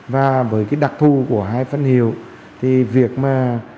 và với cái đặc thù của hai phân hiệu thì việc mà